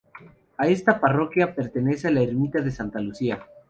A esta parroquia pertenece la ermita de Santa Lucía.